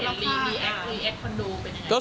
ไม่เห็นรีแอคคนดูเป็นยังไง